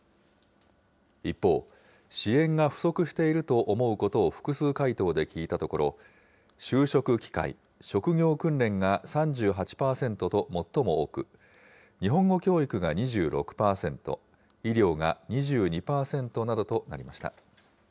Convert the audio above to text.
一方、支援が不足していると思うことを複数回答で聞いたところ、就職機会、職業訓練が３８％と最も多く、日本語教育が２６％、医療が２２％などとなりました。